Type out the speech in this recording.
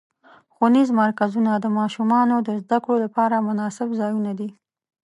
ښوونیز مرکزونه د ماشومانو د زدهکړو لپاره مناسب ځایونه دي.